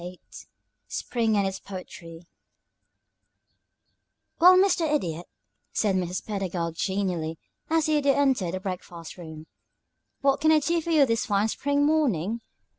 VIII SPRING AND ITS POETRY "Well, Mr. Idiot," said Mrs. Pedagog, genially, as the Idiot entered the breakfast room, "what can I do for you this fine spring morning?